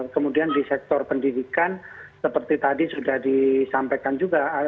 kemudian di sektor pendidikan seperti tadi sudah disampaikan juga